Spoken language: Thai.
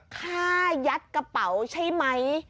ฆ่ายัดกระเป๋าใช่ไหม